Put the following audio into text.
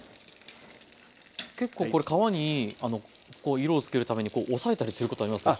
結構これ皮にこう色をつけるために押さえたりすることありますけど。